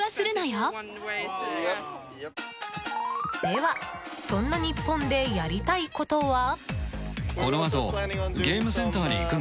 では、そんな日本でやりたいことは？